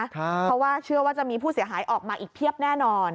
เพราะว่าเชื่อว่าจะมีผู้เสียหายออกมาอีกเพียบแน่นอน